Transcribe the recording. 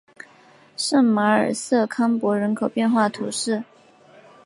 圣马尔瑟康珀人口变化图示